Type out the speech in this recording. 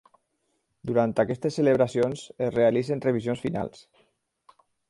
Durant aquestes celebracions es realitzen revisions finals.